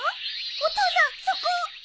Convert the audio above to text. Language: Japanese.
お父さんそこ！